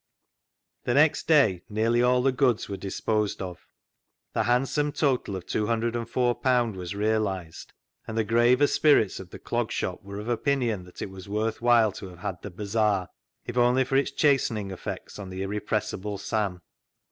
The next day nearly all the goods were dis posed of. The handsome total of i^204 was realised, and the graver spirits of the Clog Shop were of opinion that it was worth while to have had the bazaar, if only for its chasten ing effects on the irrepressible Sam.